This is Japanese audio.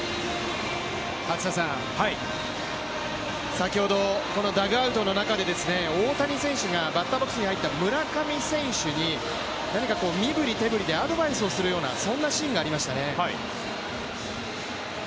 先ほど、ダグアウトの中で大谷選手がバッターボックスに入った村上選手に何か身振り手振りでアドバイスをするようなシーンがありましたね。